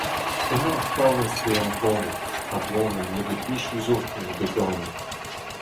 Emañ o paouez bezañ ganet, a-boan un nebeud mizioù zo eo bet ganet.